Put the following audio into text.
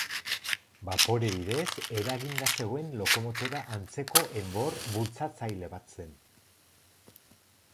Bapore bidez eraginda zegoen lokomotora antzeko enbor bultzatzaile bat zen.